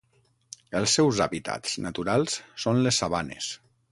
Els seus hàbitats naturals són les sabanes.